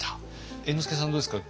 猿之助さんどうですか。